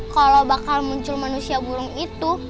kalau bakal muncul manusia burung itu